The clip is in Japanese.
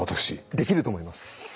できると思います。